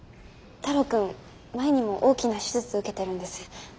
太郎君前にも大きな手術受けてるんです事故で。